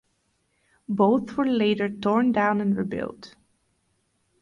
Both were later torn down and rebuilt.